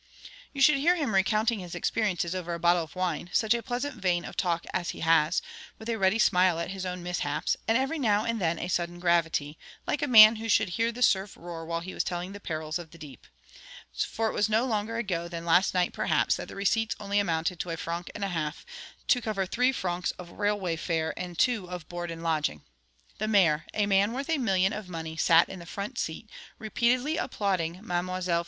You should hear him recounting his experiences over a bottle of wine; such a pleasant vein of talk as he has, with a ready smile at his own mishaps, and every now and then a sudden gravity, like a man who should hear the surf roar while he was telling the perils of the deep. For it was no longer ago than last night, perhaps, that the receipts only amounted to a franc and a half, to cover three francs of railway fare and two of board and lodging. The Maire, a man worth a million of money, sat in the front seat, repeatedly applauding Mlle.